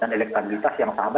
dan elektabilitas yang sama